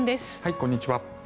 こんにちは。